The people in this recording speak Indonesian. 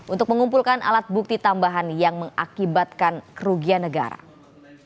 untuk mengumpulkan alat bukti tambahan yang mengakibatkan kerugian negara